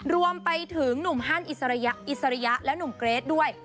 รวมไปถึงหนุ่มฮันอิสริยะและหนุ่มเกรทด้วย